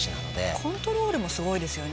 コントロールもすごいですよね。